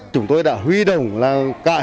chúng tôi đã huy động là cả hệ thống